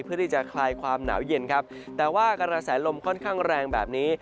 เพื่อที่จะคลายความหนาวเย็นครับแต่ว่ากระแสลมค่อนข้างแรงแบบนี้